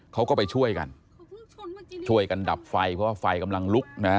เขาก็ไปช่วยกันช่วยกันดับไฟเพราะว่าไฟกำลังลุกนะ